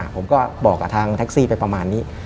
ผมก็บอกกับทางแท็กซี่ไปประมาณนี้